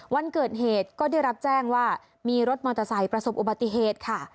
วันเกิดเหตุก็ได้รับแจ้งว่ามีรถมอเตอร์ไซค์ประสบอุบัติเหตุค่ะ